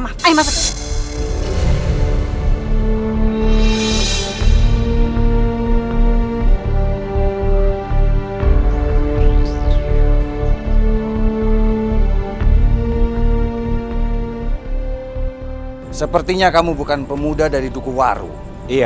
nah tak yakarte